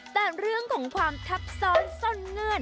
แต่เรื่องของความทับซ้อนซ่อนเงื่อน